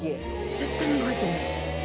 絶対何か入ってるね。